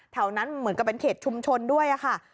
นั้นเหมือนกับเป็นเขตชุมชนด้วยค่ะ